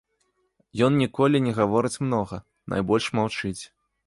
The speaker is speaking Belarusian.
Ён ніколі не гаворыць многа, найбольш маўчыць.